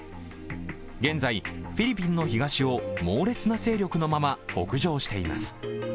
現在、フィリピンの東を猛烈な勢力のまま北上しています。